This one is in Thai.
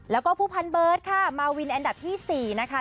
แล้วก็ผู้พันเบิร์ตค่ะมาวินอันดับที่๔นะคะ